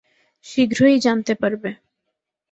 শীঘ্রই জানতে পারবে।